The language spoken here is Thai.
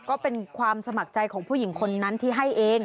ก็เป็นความสมัครใจของผู้หญิงคนนั้นที่ให้เอง